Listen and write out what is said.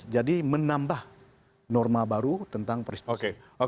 jadi menambah norma baru tentang prostitusi